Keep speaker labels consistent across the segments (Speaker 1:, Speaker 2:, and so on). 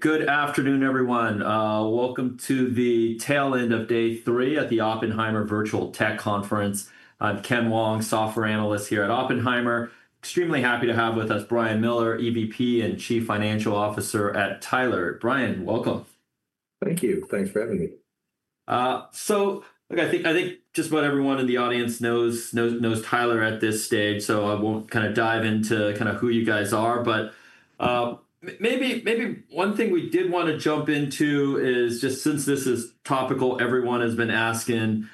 Speaker 1: Good afternoon, everyone. Welcome to the tail end of Day Three at the Oppenheimer Virtual Tech Conference. I'm Ken Wong, Software Analyst here at Oppenheimer. Extremely happy to have with us Brian Miller, Executive Vice President and Chief Financial Officer at Tyler. Brian, welcome.
Speaker 2: Thank you. Thanks for having me.
Speaker 1: I think just about everyone in the audience knows Tyler at this stage, so I won't kind of dive into who you guys are. One thing we did want to jump into is just since this is topical, everyone has been asking,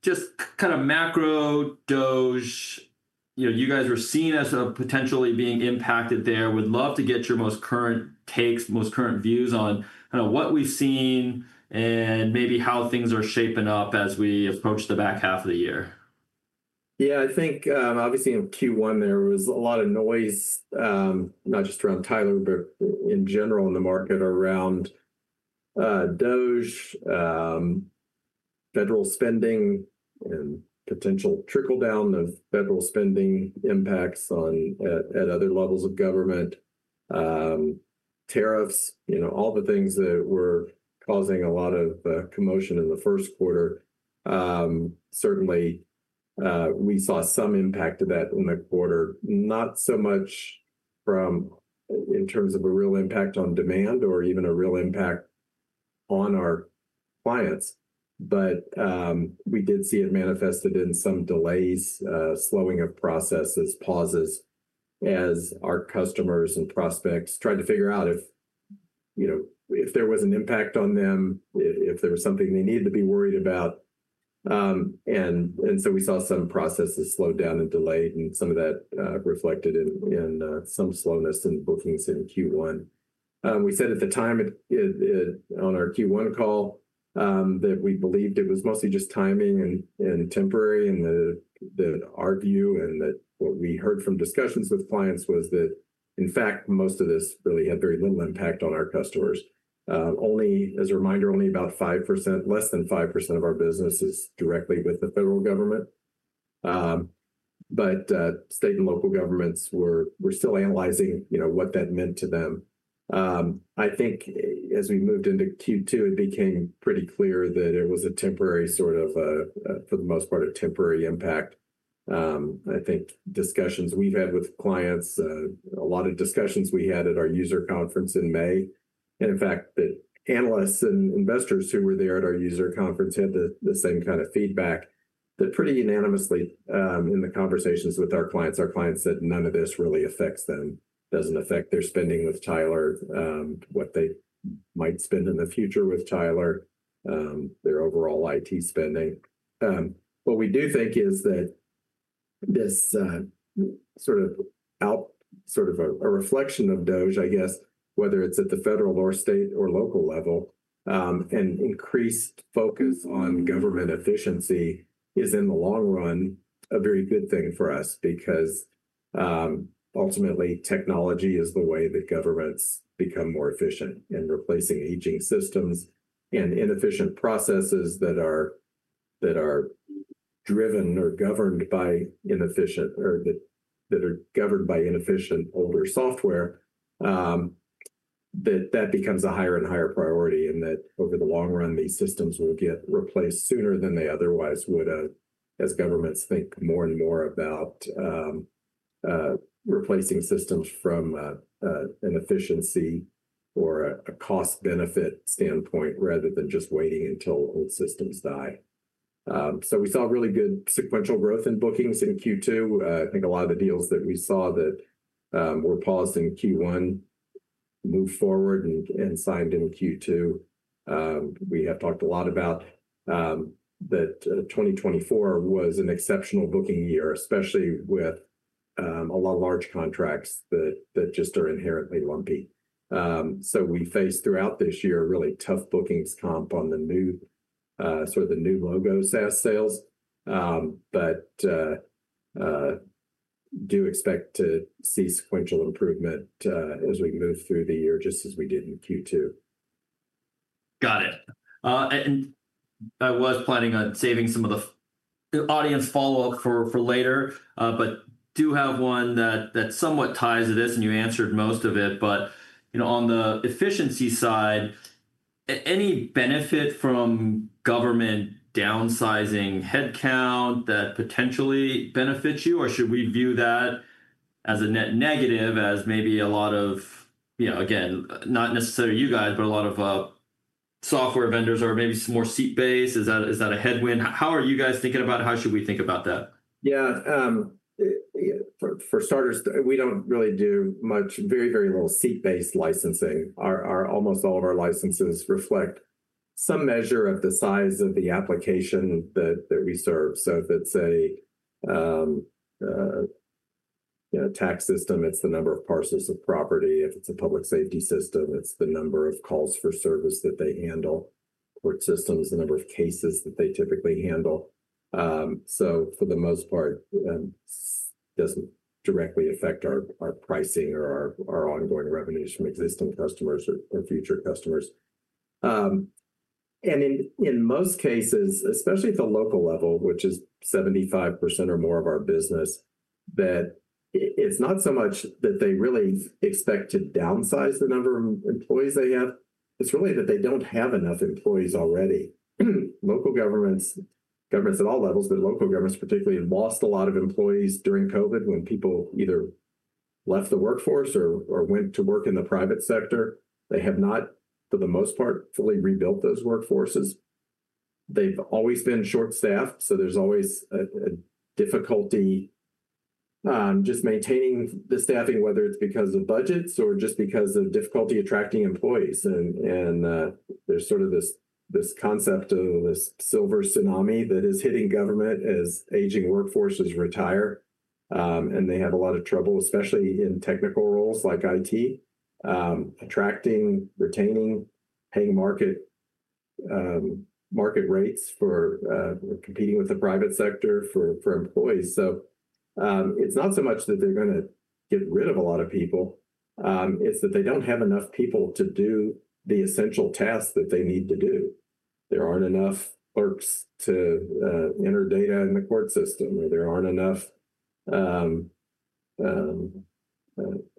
Speaker 1: just kind of macro federal spending uncertainty. You know, you guys were seen as potentially being impacted there. Would love to get your most current takes, most current views on what we've seen and maybe how things are shaping up as we approach the back half of the year.
Speaker 2: Yeah, I think obviously in Q1 there was a lot of noise, not just around Tyler, but in general in the market around federal spending uncertainty, federal spending, and potential trickle down of federal spending impacts at other levels of government, tariffs, all the things that were causing a lot of commotion in the first quarter. Certainly, we saw some impact of that in the quarter, not so much in terms of a real impact on demand or even a real impact on our clients. We did see it manifested in some delays, slowing of processes, pauses, as our customers and prospects tried to figure out if there was an impact on them, if there was something they needed to be worried about. We saw some processes slowed down and delayed, and some of that reflected in some slowness in bookings in Q1. We said at the time on our Q1 call that we believed it was mostly just timing and temporary in our view, and that what we heard from discussions with clients was that, in fact, most of this really had very little impact on our customers. Only, as a reminder, only about 5%, less than 5% of our business is directly with the federal government. State and local governments were still analyzing what that meant to them. I think as we moved into Q2, it became pretty clear that it was a temporary, for the most part, a temporary impact. I think discussions we've had with clients, a lot of discussions we had at our user conference in May, and in fact, the analysts and investors who were there at our user conference had the same kind of feedback, pretty unanimously in the conversations with our clients. Our clients said none of this really affects them, doesn't affect their spending with Tyler, what they might spend in the future with Tyler, their overall IT spending. What we do think is that this sort of out, sort of a reflection of federal spending uncertainty, I guess, whether it's at the federal or state or local level, an increased focus on government efficiency is, in the long run, a very good thing for us because ultimately technology is the way that governments become more efficient in replacing aging systems and inefficient processes that are governed by inefficient older software. That becomes a higher and higher priority, and over the long run, these systems will get replaced sooner than they otherwise would as governments think more and more about replacing systems from an efficiency or a cost-benefit standpoint rather than just waiting until old systems die. We saw really good sequential growth in bookings in Q2. I think a lot of the deals that we saw that were paused in Q1 moved forward and signed in Q2. We have talked a lot about that 2024 was an exceptional booking year, especially with a lot of large contracts that just are inherently lumpy. We faced throughout this year a really tough bookings comp on the new, sort of the new logo SaaS sales, but do expect to see sequential improvement as we move through the year, just as we did in Q2.
Speaker 1: Got it. I was planning on saving some of the audience follow-up for later, but I do have one that somewhat ties to this, and you answered most of it. On the efficiency side, any benefit from government downsizing headcount that potentially benefits you, or should we view that as a net negative as maybe a lot of, you know, not necessarily you guys, but a lot of software vendors or maybe some more seat base? Is that a headwind? How are you guys thinking about it? How should we think about that?
Speaker 2: For starters, we don't really do much, very, very little seat-based licensing. Almost all of our licenses reflect some measure of the size of the application that we serve. If it's a tax system, it's the number of parcels of property. If it's a public safety system, it's the number of calls for service that they handle. For systems, the number of cases that they typically handle. For the most part, it doesn't directly affect our pricing or our ongoing revenues from existing customers or future customers. In most cases, especially at the local level, which is 75% or more of our business, it's not so much that they really expect to downsize the number of employees they have. It's really that they don't have enough employees already. Local governments, governments at all levels, but local governments particularly, lost a lot of employees during COVID when people either left the workforce or went to work in the private sector. They have not, for the most part, fully rebuilt those workforces. They've always been short-staffed, so there's always a difficulty just maintaining the staffing, whether it's because of budgets or just because of difficulty attracting employees. There's sort of this concept of this silver tsunami that is hitting government as aging workforces retire, and they have a lot of trouble, especially in technical roles like IT, contracting, retaining, paying market rates for competing with the private sector for employees. It's not so much that they're going to get rid of a lot of people. It's that they don't have enough people to do the essential tasks that they need to do. There aren't enough clerks to enter data in the court system, or there aren't enough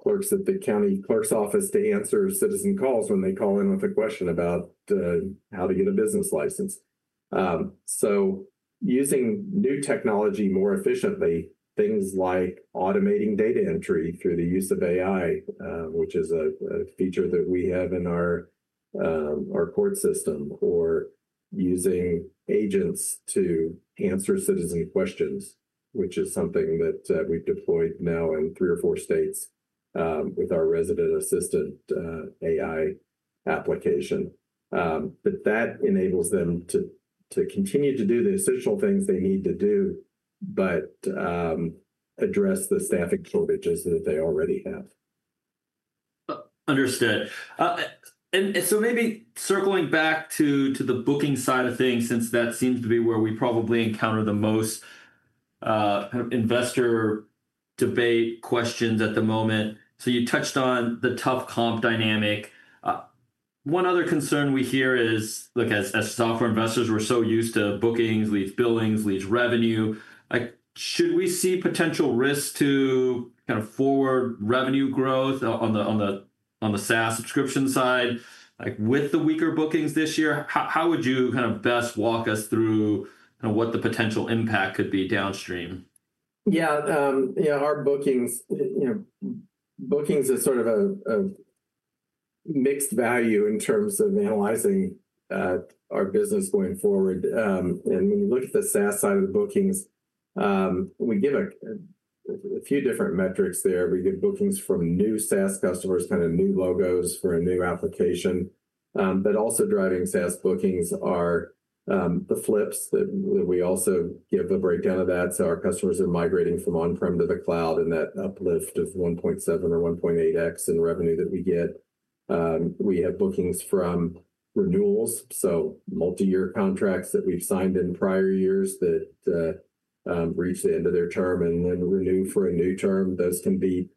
Speaker 2: clerks at the county clerk's office to answer citizen calls when they call in with a question about how to get a business license. Using new technology more efficiently, things like automating data entry through the use of AI, which is a feature that we have in our court system, or using agents to answer citizen questions, which is something that we've deployed now in three or four states with our resident assistant AI application, enables them to continue to do the essential things they need to do, but address the staffing shortages that they already have.
Speaker 1: Understood. Maybe circling back to the booking side of things, since that seems to be where we probably encounter the most kind of investor debate questions at the moment. You touched on the tough comp dynamic. One other concern we hear is, look, as software investors, we're so used to bookings leads billings leads revenue. Should we see potential risks to kind of forward revenue growth on the SaaS subscription side? With the weaker bookings this year, how would you kind of best walk us through what the potential impact could be downstream?
Speaker 2: Yeah, our bookings are sort of a mixed value in terms of analyzing our business going forward. When you look at the SaaS side of the bookings, we give a few different metrics there. We get bookings from new SaaS customers, kind of new logos for a new application. Also driving SaaS bookings are the flips that we also give a breakdown of. Our customers are migrating from on-prem to the cloud, and that uplift is 1.7 or 1.8x in revenue that we get. We have bookings from renewals, so multi-year contracts that we've signed in prior years that reach the end of their term and then renew for a new term. Those can be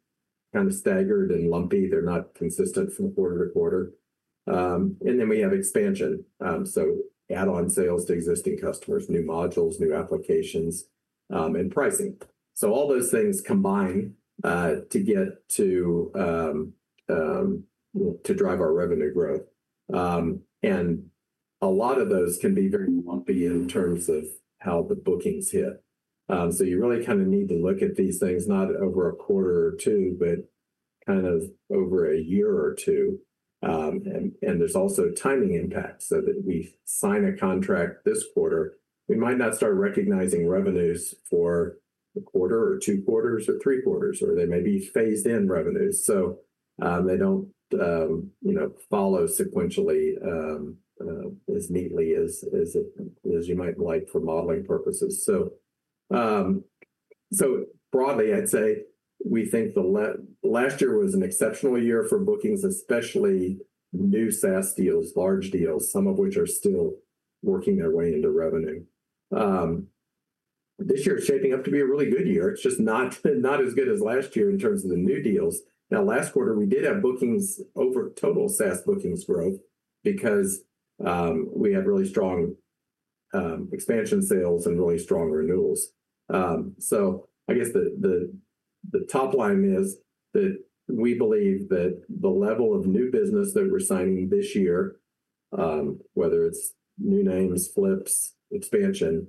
Speaker 2: kind of staggered and lumpy. They're not consistent from quarter to quarter. We have expansion, so add-on sales to existing customers, new modules, new applications, and pricing. All those things combine to drive our revenue growth. A lot of those can be very lumpy in terms of how the bookings hit. You really need to look at these things not over a quarter or two, but over a year or two. There are also timing impacts. If we sign a contract this quarter, we might not start recognizing revenues for a quarter or two quarters or three quarters, or they may be phased in revenues. They don't follow sequentially as neatly as you might like for modeling purposes. Broadly, I'd say we think the last year was an exceptional year for bookings, especially new SaaS deals, large deals, some of which are still working their way into revenue. This year is shaping up to be a really good year. It's just not as good as last year in terms of the new deals. Last quarter we did have bookings over total SaaS bookings growth because we had really strong expansion sales and really strong renewals. The top line is that we believe that the level of new business that we're signing this year, whether it's new names, flips, expansion,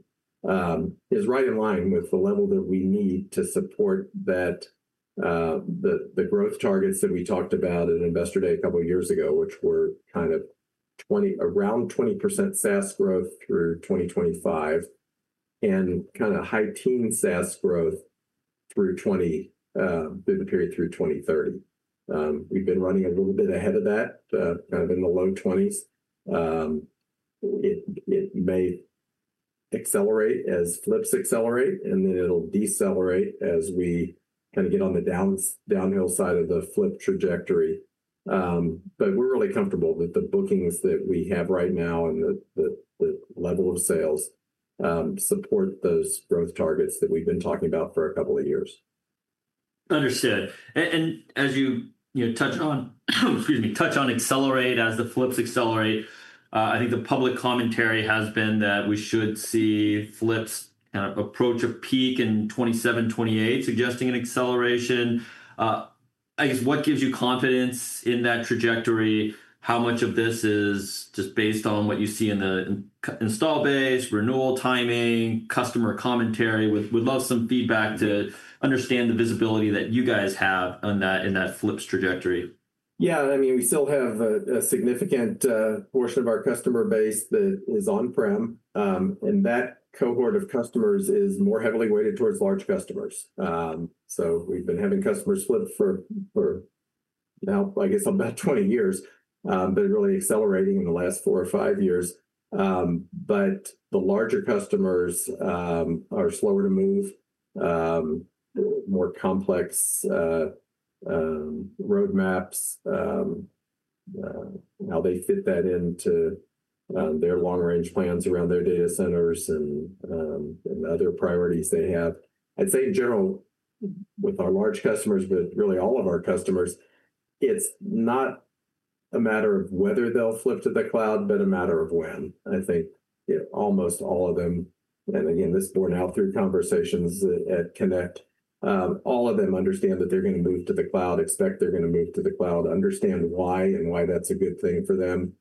Speaker 2: is right in line with the level that we need to support the growth targets that we talked about in Investor Day a couple of years ago, which were kind of around 20% SaaS growth through 2025 and kind of high-teens SaaS growth through the period through 2030. We've been running a little bit ahead of that, kind of in the low 20s. It may accelerate as flips accelerate, and then it'll decelerate as we get on the downhill side of the flip trajectory. We're really comfortable with the bookings that we have right now and the level of sales support those growth targets that we've been talking about for a couple of years.
Speaker 1: As you touch on accelerate as the flips accelerate, I think the public commentary has been that we should see flips kind of approach a peak in 2027-2028, suggesting an acceleration. I guess what gives you confidence in that trajectory? How much of this is just based on what you see in the install base, renewal timing, customer commentary? We'd love some feedback to understand the visibility that you guys have in that flips trajectory.
Speaker 2: Yeah, I mean, we still have a significant portion of our customer base that is on-prem, and that cohort of customers is more heavily weighted towards large customers. We have been having customers flip for now, I guess, about 20 years, but it really accelerated in the last four or five years. The larger customers are slower to move, with more complex roadmaps, and how they fit that into their long-range plans around their data centers and other priorities they have. I'd say in general, with our large customers, but really all of our customers, it's not a matter of whether they'll flip to the cloud, but a matter of when. I think almost all of them, and again, this is borne out through conversations at Connect, all of them understand that they're going to move to the cloud, expect they're going to move to the cloud, understand why and why that's a good thing for them.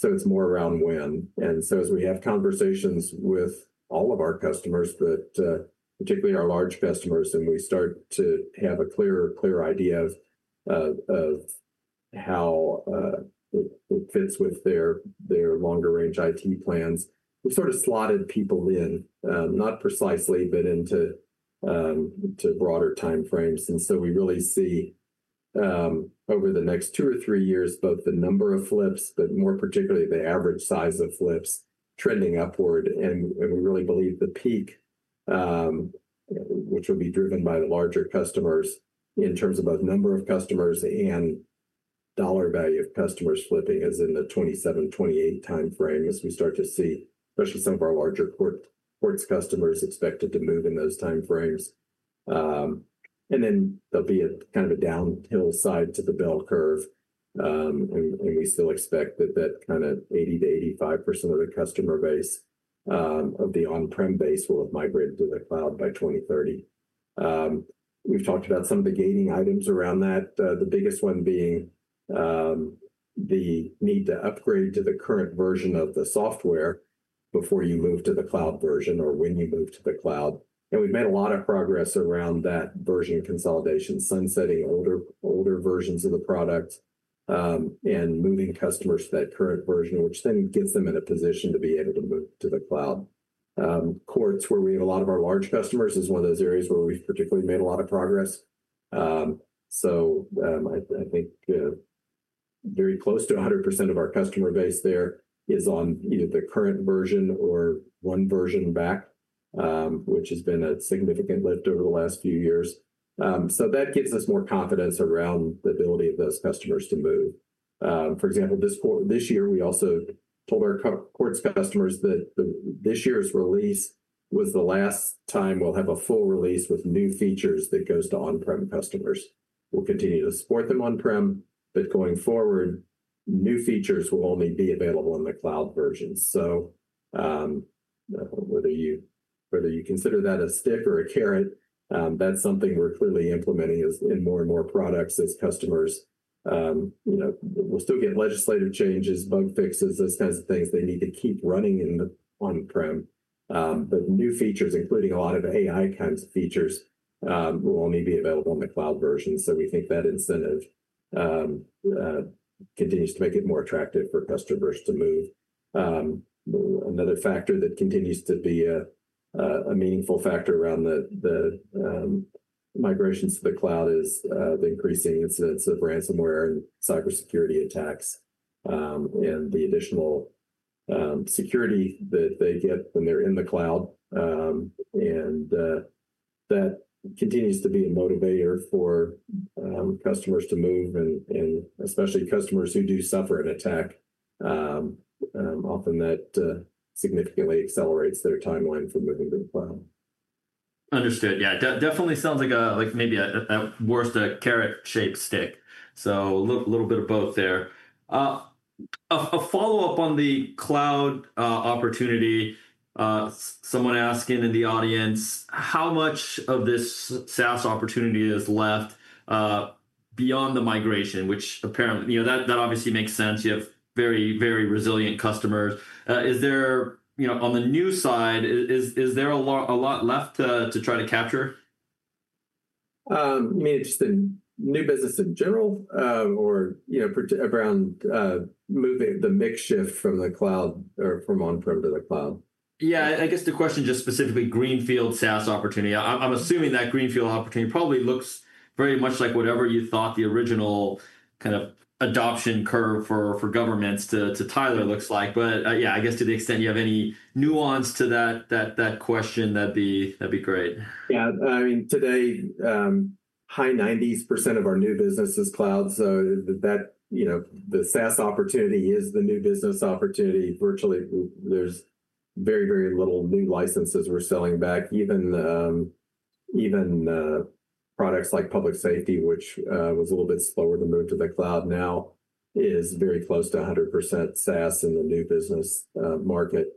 Speaker 2: It's more around when. As we have conversations with all of our customers, particularly our large customers, and we start to have a clear idea of how it fits with their longer-range IT plans, we have sort of slotted people in, not precisely, but into broader timeframes. We really see over the next two or three years, both the number of flips, but more particularly the average size of flips trending upward. We really believe the peak, which will be driven by the larger customers in terms of both number of customers and dollar value of customers flipping, is in the 2027-2028 timeframe as we start to see, especially, some of our larger courts customers expected to move in those timeframes. There will be a kind of a downhill side to the bell curve. We still expect that kind of 80%-85% of the customer base of the on-prem base will have migrated to the cloud by 2030. We've talked about some of the gating items around that, the biggest one being the need to upgrade to the current version of the software before you move to the cloud version or when you move to the cloud. We've made a lot of progress around that version consolidation, sunsetting older versions of the product and moving customers to that current version, which then gets them in a position to be able to move to the cloud. Courts, where we have a lot of our large customers, is one of those areas where we've particularly made a lot of progress. I think very close to 100% of our customer base there is on either the current version or one version back, which has been a significant lift over the last few years. That gives us more confidence around the ability of those customers to move. For example, this year we also told our courts customers that this year's release was the last time we'll have a full release with new features that goes to on-premises customers. We'll continue to support them on-premises, but going forward, new features will only be available in the cloud version. Whether you consider that a stick or a carrot, that's something we're clearly implementing in more and more products as customers. We'll still get legislative changes, bug fixes, those kinds of things that need to keep running in the on-premises. New features, including a lot of AI-driven features, will only be available in the cloud version. We think that incentive continues to make it more attractive for customers to move. Another factor that continues to be a meaningful factor around the migrations to the cloud is the increasing incidence of ransomware and cybersecurity attacks and the additional security that they get when they're in the cloud. That continues to be a motivator for customers to move, and especially customers who do suffer an attack. Often that significantly accelerates their timeline for moving to the cloud.
Speaker 1: Understood. Yeah, definitely sounds like maybe at worst a carrot-shaped stick, so a little bit of both there. A follow-up on the cloud opportunity, someone asking in the audience, how much of this SaaS opportunity is left beyond the migration, which apparently, you know, that obviously makes sense. You have very, very resilient customers. Is there, you know, on the new side, is there a lot left to try to capture?
Speaker 2: You mean just the new business in general or around moving the makeshift from on-prem to the cloud?
Speaker 1: I guess the question just specifically, greenfield SaaS opportunity. I'm assuming that greenfield opportunity probably looks very much like whatever you thought the original kind of adoption curve for governments to Tyler looks like. I guess to the extent you have any nuance to that question, that'd be great.
Speaker 2: Yeah, I mean today, high 90% of our new business is cloud. That, you know, the SaaS opportunity is the new business opportunity. Virtually, there's very, very little new licenses we're selling back. Even products like public safety, which was a little bit slower to move to the cloud, now is very close to 100% SaaS in the new business market.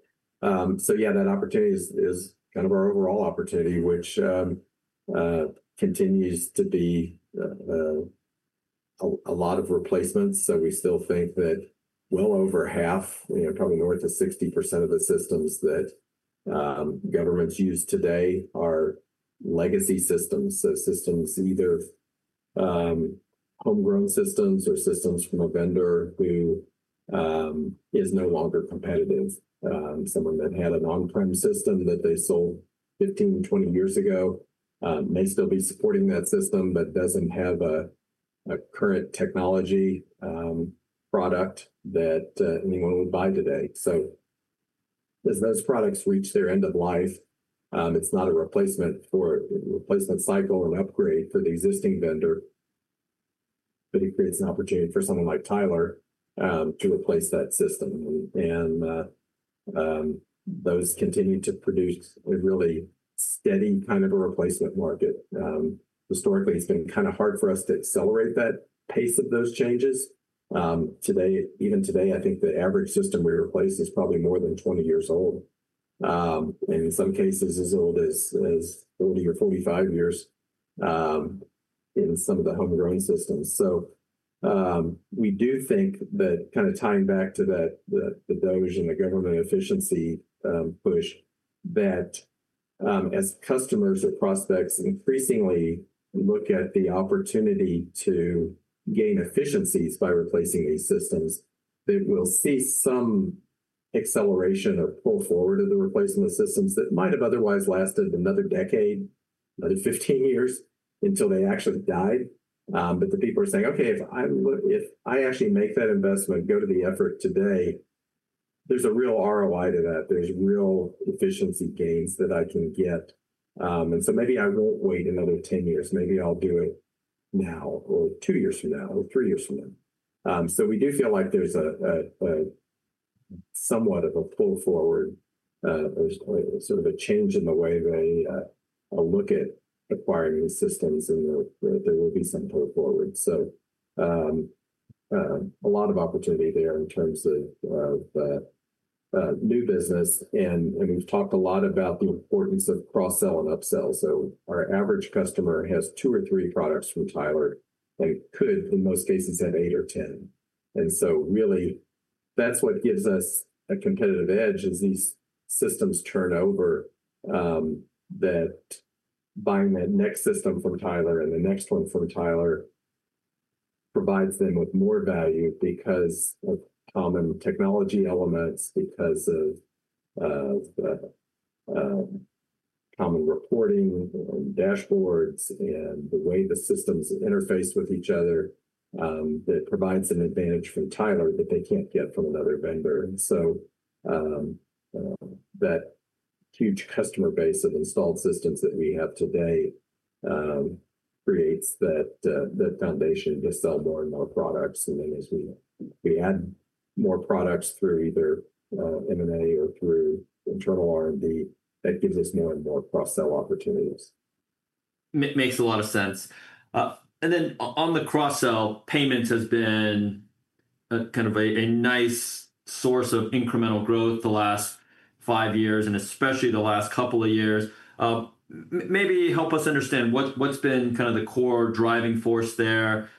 Speaker 2: That opportunity is kind of our overall opportunity, which continues to be a lot of replacements. We still think that well over half, probably north of 60% of the systems that governments use today are legacy systems. Systems either homegrown systems or systems from a vendor who is no longer competitive. Someone that had an on-premises system that they sold 15, 20 years ago may still be supporting that system, but doesn't have a current technology product that anyone would buy today. As those products reach their end of life, it's not a replacement for a replacement cycle and upgrade for the existing vendor, but it creates an opportunity for someone like Tyler Technologies to replace that system. Those continue to produce a really steady kind of a replacement market. Historically, it's been kind of hard for us to accelerate that pace of those changes. Even today, I think the average system we replace is probably more than 20 years old. In some cases, as old as 30 or 45 years in some of the homegrown systems. We do think that, kind of tying back to that, the federal spending uncertainty and the government efficiency push, that as customers or prospects increasingly look at the opportunity to gain efficiencies by replacing these systems, we'll see some acceleration of pull forward of the replacement systems that might have otherwise lasted another decade, another 15 years until they actually died. People are saying, okay, if I actually make that investment, go to the effort today, there's a real ROI to that. There's real efficiency gains that I can get. Maybe I won't wait another 10 years. Maybe I'll do it now or two years from now or three years from now. We do feel like there's somewhat of a pull forward, sort of a change in the way they look at acquiring systems, and there will be some pull forward. A lot of opportunity there in terms of new business. We've talked a lot about the importance of cross-sell and upsell. Our average customer has two or three products from Tyler. We could, in most cases, have eight or ten. Really, that's what gives us a competitive edge. As these systems turn over, buying that next system from Tyler and the next one from Tyler provides them with more value because of common technology elements, common reporting dashboards, and the way the systems interface with each other. That provides an advantage from Tyler that they can't get from another vendor. That huge customer base of installed systems that we have today creates that foundation to sell more and more products. As we add more products through either M&A or through internal R&D, that gives us more and more cross-sell opportunities.
Speaker 1: Makes a lot of sense. On the cross-sell, payments has been kind of a nice source of incremental growth the last five years and especially the last couple of years. Maybe help us understand what's been kind of the core driving force there.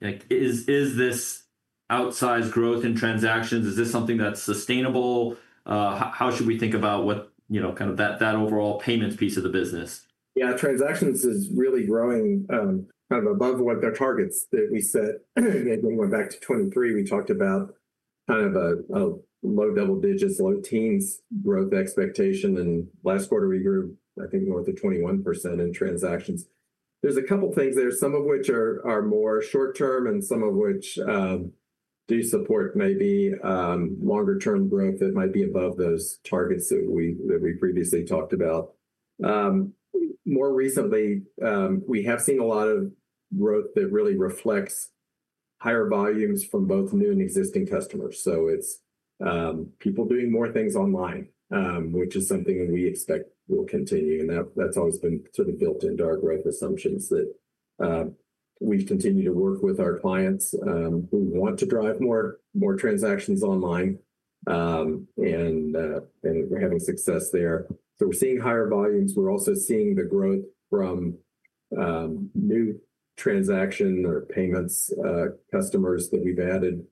Speaker 1: Is this outsized growth in transactions? Is this something that's sustainable? How should we think about what, you know, kind of that overall payments piece of the business?
Speaker 2: Yeah, transactions is really growing kind of above what the targets that we set. Again, going back to 2023, we talked about kind of a low double digits, low teens growth expectation. Last quarter we grew, I think, north of 21% in transactions. There's a couple of things there, some of which are more short-term and some of which do support maybe longer-term growth that might be above those targets that we previously talked about. More recently, we have seen a lot of growth that really reflects higher volumes from both new and existing customers. It's people doing more things online, which is something that we expect will continue. That's always been sort of built into our growth assumptions that we continue to work with our clients who want to drive more transactions online. We're having success there. We're seeing higher volumes. We're also seeing the growth from new transaction or payments customers that we've added.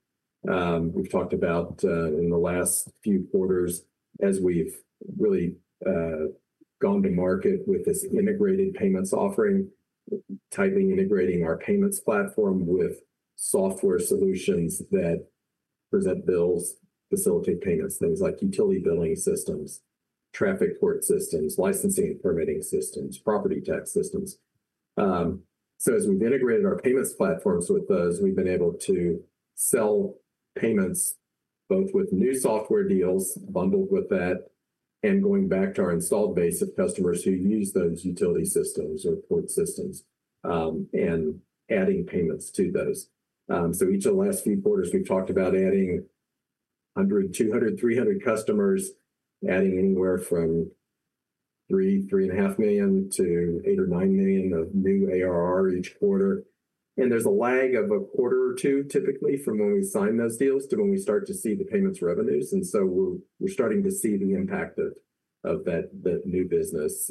Speaker 2: We've talked about in the last few quarters as we've really gone to market with this integrated payments offering, tightly integrating our payments platform with software solutions that present bills, facilitate payments, things like utility billing systems, traffic port systems, licensing and permitting systems, property tax systems. As we've integrated our payments platforms with those, we've been able to sell payments both with new software deals bundled with that and going back to our installed base of customers who use those utility systems or port systems and adding payments to those. Each of the last few quarters, we've talked about adding 100, 200, 300 customers, adding anywhere from $3 million, $3.5 million-$8 million or $9 million of new ARR each quarter. There's a lag of a quarter or two typically from when we sign those deals to when we start to see the payments revenues. We're starting to see the impact of that new business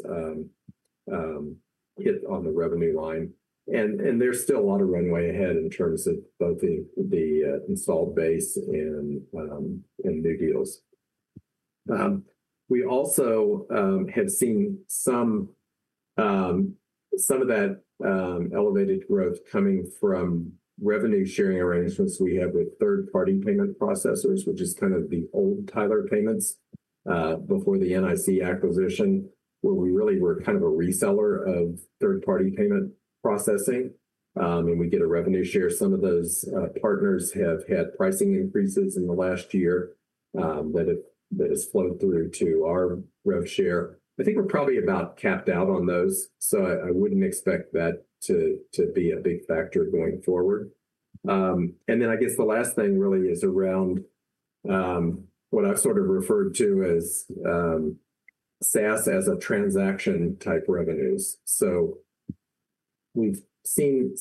Speaker 2: hit on the revenue line. There's still a lot of runway ahead in terms of both the installed base and new deals. We also have seen some of that elevated growth coming from revenue sharing arrangements we have with third-party payment processors, which is kind of the old Tyler payments before the NIC acquisition, where we really were kind of a reseller of third-party payment processing and we get a revenue share. Some of those partners have had pricing increases in the last year that have flowed through to our rev share. I think we're probably about capped out on those. I wouldn't expect that to be a big factor going forward. The last thing really is around what I've sort of referred to as SaaS as a transaction type revenues. We've seen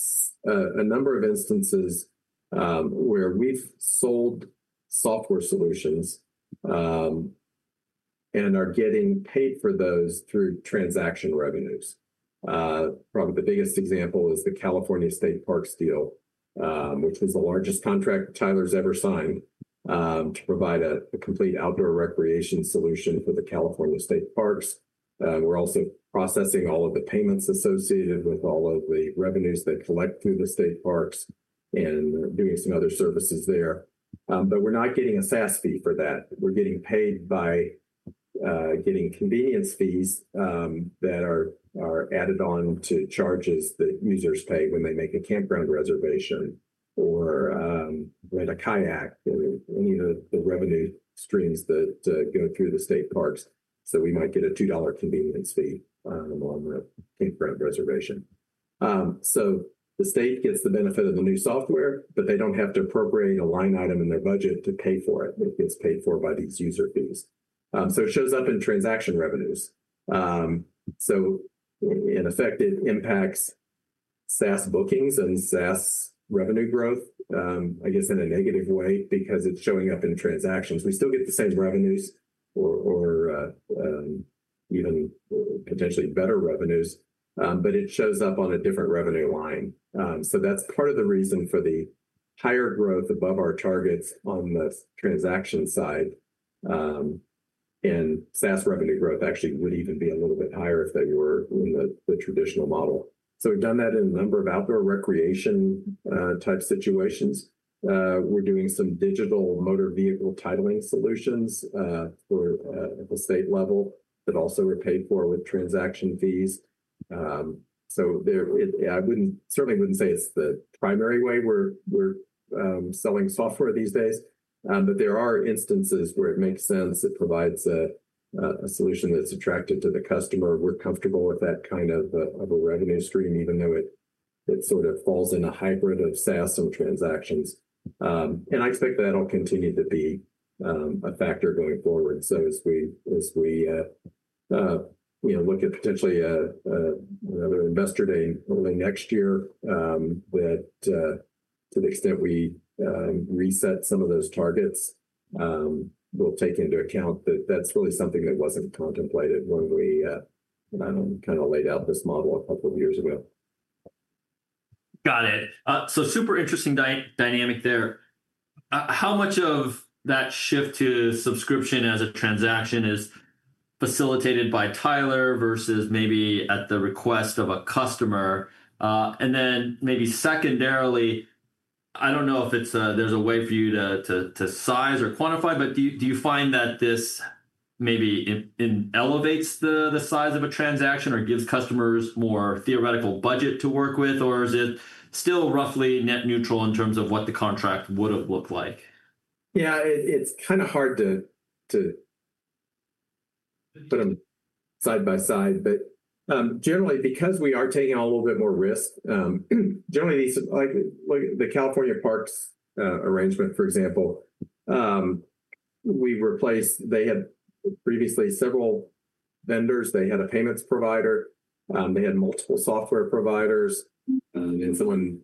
Speaker 2: a number of instances where we've sold software solutions and are getting paid for those through transaction revenues. Probably the biggest example is the California State Parks deal, which is the largest contract Tyler Technologies has ever signed to provide a complete outdoor recreation solution for the California State Parks. We're also processing all of the payments associated with all of the revenues that collect through the state parks and doing some other services there. We're not getting a SaaS fee for that. We're getting paid by getting convenience fees that are added on to charges that users pay when they make a campground reservation or rent a kayak or any of the revenue streams that go through the state parks. We might get a $2 convenience fee on the campground reservation. The state gets the benefit of the new software, but they don't have to appropriate a line item in their budget to pay for it. It gets paid for by these user fees. It shows up in transaction revenues. In effect, it impacts SaaS bookings and SaaS revenue growth, I guess in a negative way because it's showing up in transactions. We still get the same revenues or even potentially better revenues, but it shows up on a different revenue line. That's part of the reason for the higher growth above our targets on the transaction side. SaaS revenue growth actually would even be a little bit higher if they were in the traditional model. We've done that in a number of outdoor recreation type situations. We're doing some digital motor vehicle titling solutions for the state level that also are paid for with transaction fees. I certainly wouldn't say it's the primary way we're selling software these days, but there are instances where it makes sense to provide a solution that's attractive to the customer. We're comfortable with that kind of a revenue stream, even though it sort of falls in a hybrid of SaaS and transactions. I expect that'll continue to be a factor going forward. As we look at potentially another Investor Day early next year, to the extent we reset some of those targets, we'll take into account that that's really something that wasn't contemplated when we kind of laid out this model a couple of years ago.
Speaker 1: Got it. Super interesting dynamic there. How much of that shift to subscription as a transaction is facilitated by Tyler versus maybe at the request of a customer? Then maybe secondarily, I don't know if there's a way for you to size or quantify, but do you find that this maybe elevates the size of a transaction or gives customers more theoretical budget to work with, or is it still roughly net neutral in terms of what the contract would have looked like?
Speaker 2: Yeah, it's kind of hard to put them side by side, but generally, because we are taking a little bit more risk, generally, like the California Parks arrangement, for example, we replaced, they had previously several vendors, they had a payments provider, they had multiple software providers, and someone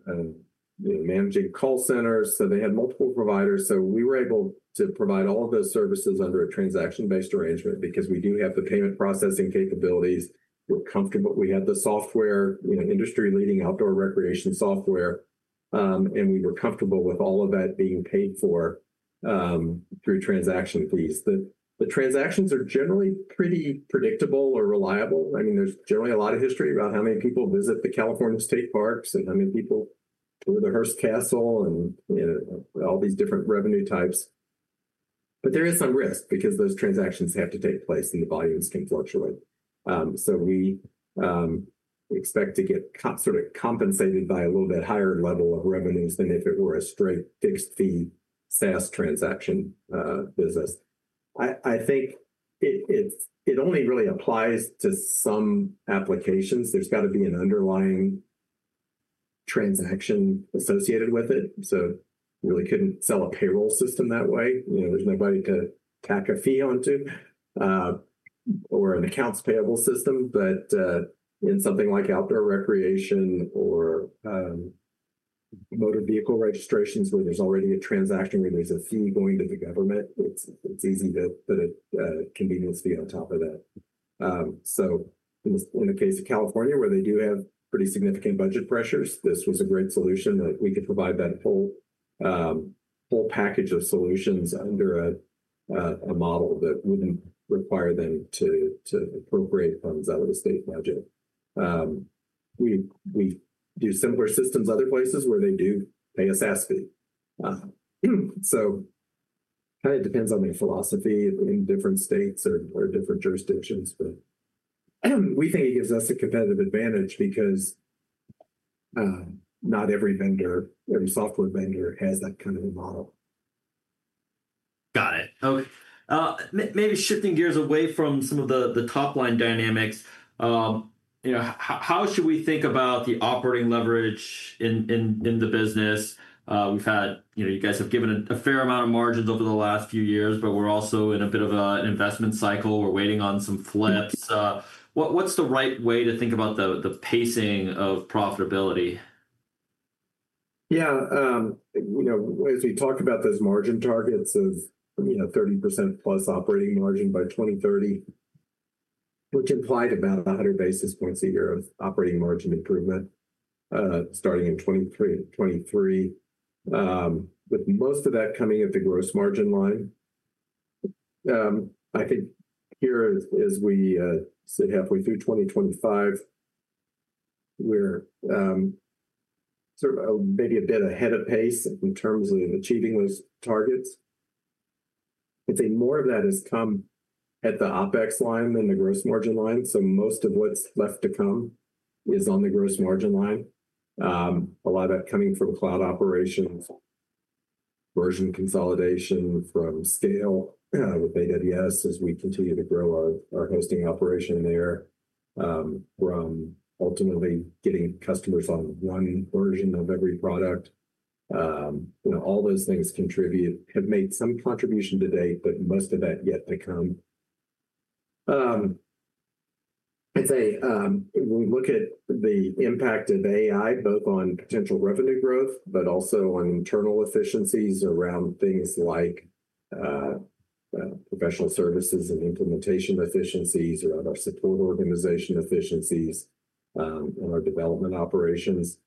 Speaker 2: managing call centers. They had multiple providers. We were able to provide all of those services under a transaction-based arrangement because we do have the payment processing capabilities. We're comfortable. We have the software, industry-leading outdoor recreation software, and we were comfortable with all of that being paid for through transaction fees. The transactions are generally pretty predictable or reliable. I mean, there's generally a lot of history about how many people visit the California State Parks and how many people go to the Hearst Castle and all these different revenue types. There is some risk because those transactions have to take place and the volumes can fluctuate. We expect to get sort of compensated by a little bit higher level of revenues than if it were a straight fixed fee SaaS transaction business. I think it only really applies to some applications. There's got to be an underlying transaction associated with it. We really couldn't sell a payroll system that way. You know, there's nobody to pack a fee onto or an accounts payable system. In something like outdoor recreation or motor vehicle registrations where there's already a transaction where there's a fee going to the government, it's easy to put a convenience fee on top of that. In the case of California, where they do have pretty significant budget pressures, this was a great solution that we could provide that whole package of solutions under a model that wouldn't require them to appropriate funds out of the state budget. We do similar systems other places where they do pay a SaaS fee. It kind of depends on their philosophy in different states or different jurisdictions. We think it gives us a competitive advantage because not every vendor, every software vendor has that kind of a model.
Speaker 1: Got it. Okay. Maybe shifting gears away from some of the top line dynamics, how should we think about the operating leverage in the business? You guys have given a fair amount of margins over the last few years, but we're also in a bit of an investment cycle. We're waiting on some flips. What's the right way to think about the pacing of profitability?
Speaker 2: Yeah, you know, as we talked about those margin targets of, you know, 30%+ operating margin by 2030, which implied about 100 basis points a year of operating margin improvement starting in 2023, with most of that coming at the gross margin line. I think here, as we sit halfway through 2025, we're sort of maybe a bit ahead of pace in terms of achieving those targets. I think more of that has come at the OpEx line than the gross margin line. Most of what's left to come is on the gross margin line. A lot of that coming from cloud operations, version consolidation from scale with AWS as we continue to grow our hosting operation there, from ultimately getting customers on one version of every product. All those things contribute, have made some contribution to date, but most of that yet to come. I'd say when we look at the impact of AI, both on potential revenue growth, but also on internal efficiencies around things like professional services and implementation efficiencies or other support organization efficiencies in our development operations,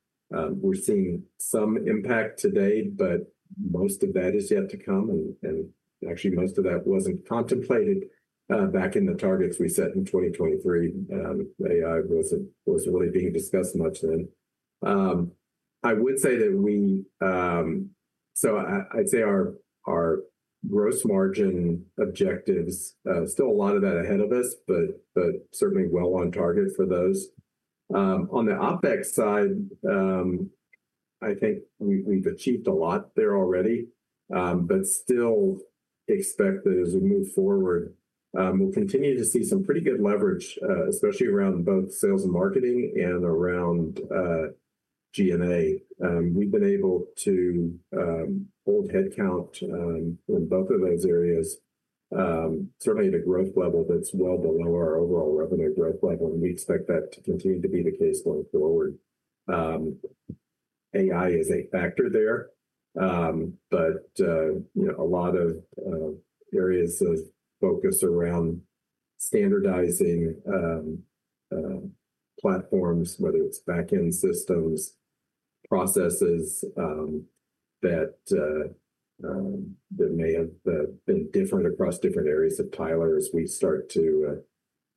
Speaker 2: we're seeing some impact today, but most of that is yet to come. Actually, most of that wasn't contemplated back in the targets we set in 2023. AI wasn't really being discussed much then. I would say that we, so I'd say our gross margin objectives, still a lot of that ahead of us, but certainly well on target for those. On the OpEx side, I think we've achieved a lot there already, but still expect that as we move forward, we'll continue to see some pretty good leverage, especially around both sales and marketing and around G&A. We've been able to hold headcount in both of those areas, certainly at a growth level that's well below our overall revenue growth level. We expect that to continue to be the case going forward. AI is a factor there, but a lot of areas of focus around standardizing platforms, whether it's backend systems, processes that may have been different across different areas of Tyler as we start to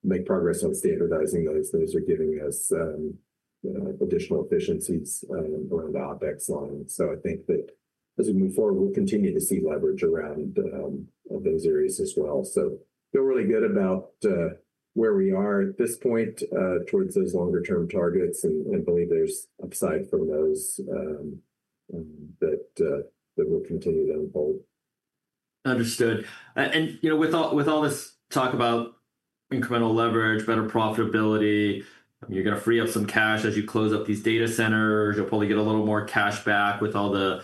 Speaker 2: make progress on standardizing those. Those are giving us additional efficiencies around the OpEx line. I think that as we move forward, we'll continue to see leverage around those areas as well. Feel really good about where we are at this point towards those longer-term targets. I believe there's upside from those, but we'll continue to hold.
Speaker 1: Understood. With all this talk about incremental leverage, better profitability, you're going to free up some cash as you close up these data centers. You'll probably get a little more cash back with all the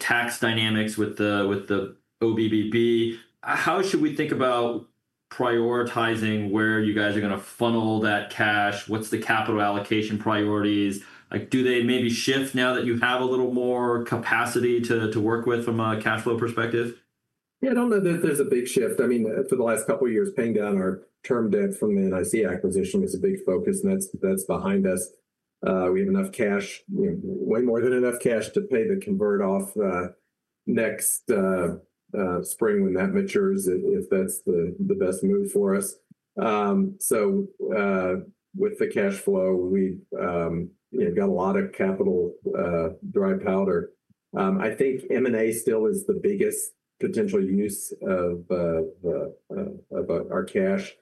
Speaker 1: tax dynamics with the OBBB. How should we think about prioritizing where you guys are going to funnel that cash? What's the capital allocation priorities? Do they maybe shift now that you have a little more capacity to work with from a cash flow perspective?
Speaker 2: I don't know that there's a big shift. For the last couple of years, paying down our term debt from the NIC acquisition was a big focus, and that's behind us. We have enough cash, way more than enough cash to pay the convert off next spring when that matures if that's the best move for us. With the cash flow, we've got a lot of capital dry powder. I think M&A still is the biggest potential use of our cash.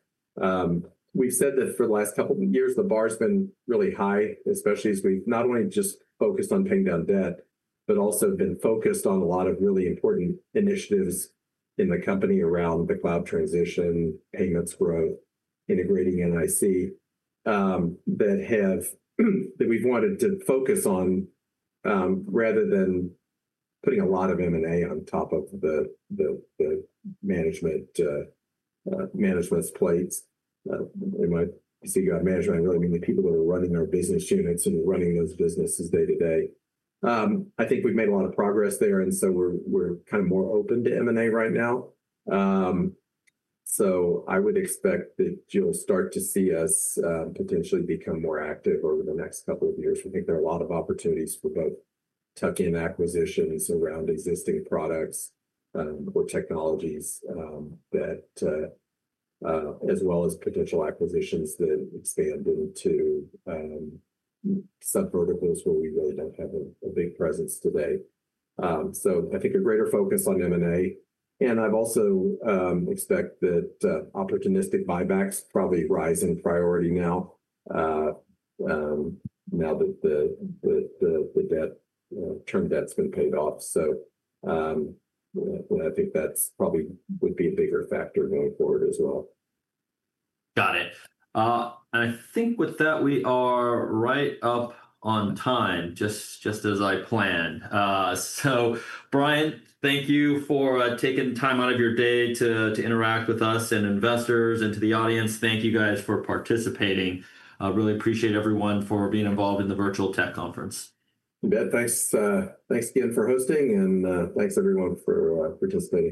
Speaker 2: We've said that for the last couple of years, the bar's been really high, especially as we've not only just focused on paying down debt, but also been focused on a lot of really important initiatives in the company around the cloud transition, payments growth, integrating NIC that we've wanted to focus on rather than putting a lot of M&A on top of management's plate. When I say management, I really mean the people who are running our business units and running those businesses day to day. I think we've made a lot of progress there, and we're kind of more open to M&A right now. I would expect that you'll start to see us potentially become more active over the next couple of years. There are a lot of opportunities for both tuck-in acquisitions around existing products or technologies, as well as potential acquisitions that expand to sub-verticals where we really don't have a big presence today. I think a greater focus on M&A. I also expect that opportunistic buybacks probably rise in priority now, now that the term debt's been paid off. I think that probably would be a bigger factor going forward as well.
Speaker 1: Got it. I think with that, we are right up on time, just as I planned. Brian, thank you for taking time out of your day to interact with us and investors, and to the audience, thank you guys for participating. I really appreciate everyone for being involved in the virtual tech conference.
Speaker 2: Thanks, thanks Ken for hosting and thanks everyone for participating.